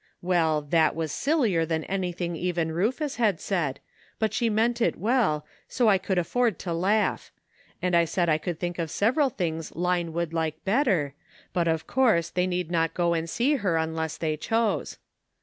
Well, that Was sillier than anything even Rufus had said, but she meant it well, so I could afford to laugh ; and I said I could think of several things Line would like better, but of course the}' need not go and see her unless they chose.